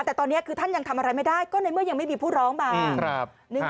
แต่ตอนนี้คือท่านยังทำอะไรไม่ได้ก็ในเมื่อยังไม่มีผู้ร้องมา